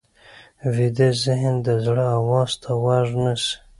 ویده ذهن د زړه آواز ته غوږ نیسي